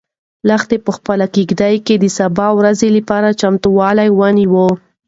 لښتې په خپلې کيږدۍ کې د سبا ورځې لپاره چمتووالی ونیو.